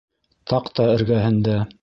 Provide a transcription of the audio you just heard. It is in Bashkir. Таҡта эргәһендә